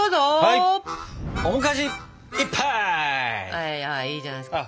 はいはいいいじゃないですか。